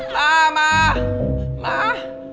มามามา